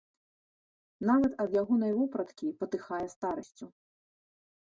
Нават ад ягонай вопраткі патыхае старасцю.